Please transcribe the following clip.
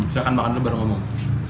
silahkan makan dulu baru ngomong